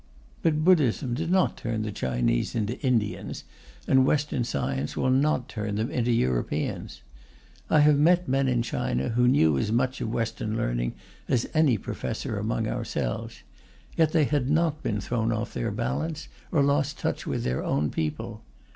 But Buddhism did not turn the Chinese into Indians, and Western science will not turn them into Europeans. I have met men in China who knew as much of Western learning as any professor among ourselves; yet they had not been thrown off their balance, or lost touch with their own people.